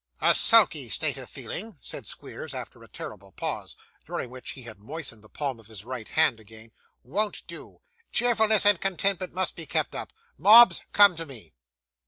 'A sulky state of feeling,' said Squeers, after a terrible pause, during which he had moistened the palm of his right hand again, 'won't do. Cheerfulness and contentment must be kept up. Mobbs, come to me!